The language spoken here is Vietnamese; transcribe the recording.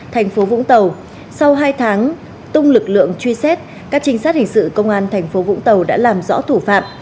thành phố vũng tàu sau hai tháng tung lực lượng truy xét các trinh sát hình sự công an thành phố vũng tàu đã làm rõ thủ phạm